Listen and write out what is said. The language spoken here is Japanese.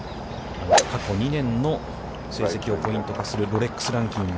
過去２年の成績をポイント化するロレックス・ランキング。